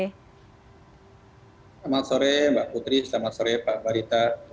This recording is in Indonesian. selamat sore mbak putri selamat sore pak barita